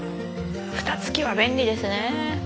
フタつきは便利ですね。